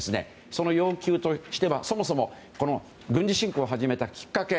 その要求としては、そもそも軍事侵攻を始めたきっかけ